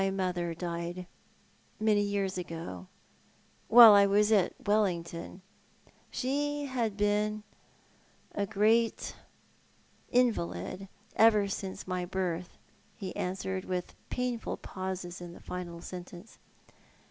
'• My mother died many years ago, while I was at Wellington. She had been — a great invalid— ever since my birth." he answered, with painful pauses in the final sentence.